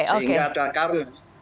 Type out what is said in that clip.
sehingga ada karena